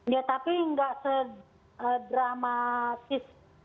iya tapi nggak se dramatis